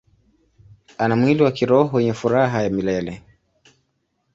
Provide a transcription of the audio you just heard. Ana mwili wa kiroho wenye furaha ya milele.